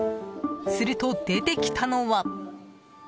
すると、出てきたのは。